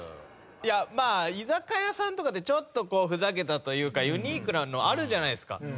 いやまあ居酒屋さんとかでちょっとこうふざけたというかユニークなのあるじゃないですか。